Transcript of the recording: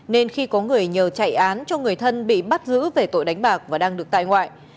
nên khi có người nhờ chạy án cho người thân bị bắt giữ về tội đánh bạc và đang được tại ngoại